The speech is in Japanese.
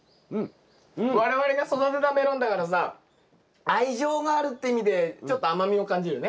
我々が育てたメロンだからさ愛情があるって意味でちょっと甘みを感じるね。